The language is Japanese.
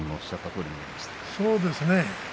そうですね。